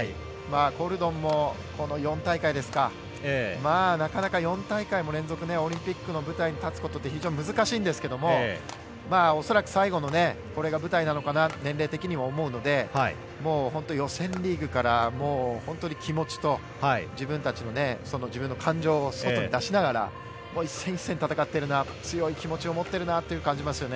コルドンもこの４大会ですかなかなか４大会も連続でオリンピックの舞台に立つことって非常に難しいんですが恐らくこれが最後の舞台なのかなと年齢的にも思うので本当に予選リーグから本当に気持ちと自分たちの、自分の感情を外に出しながら１戦１戦戦っているな強い気持ちを持っているなと感じますよね。